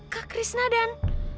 kak krishna dan